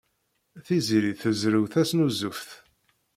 Tiziri tezrew tasnuzuft.